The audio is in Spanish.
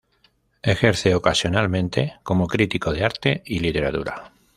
Ejerce ocasionalmente como crítico de arte y literatura.